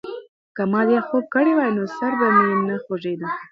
که ما ډېر خوب کړی وای، نو سر به مې نه خوږېده.